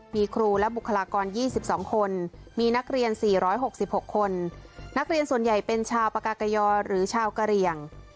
มีครูและบุคลากร๒๒คนมีนักเรียน๔๖๖คนนักเรียนส่วนใหญ่เป็นชาวปากากยอหรือชาวกะเหลี่ยง